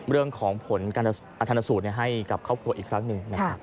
เรื่องของผลการทันสูตรให้กับครอบครัวอีกครั้งหนึ่งนะครับ